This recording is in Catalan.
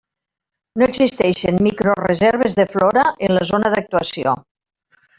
No existeixen microreserves de flora en la zona d'actuació.